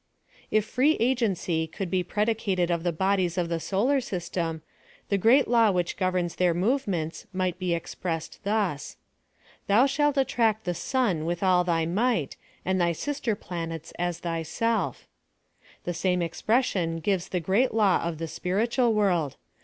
If free agency could be predicated of the bodies of the solar system, the great law whicli governs their movements might be expressed thus — Thou shalt attract the Sun iclth all thy mi^htj and thy sister planets as thyself. The same expression gives the great law of the spiritual world.